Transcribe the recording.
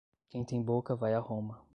Quem tem boca vai a Roma.